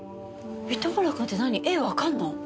糸村君って何絵わかるの？